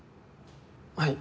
はい。